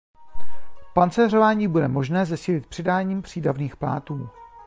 Pancéřování bude možné zesílit přidáním přídavných plátů.